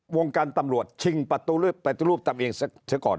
วงการตำรวจชิงปฏิรูปตามเองเหลือเชียว